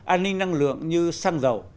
an ninh năng lượng như xăng dầu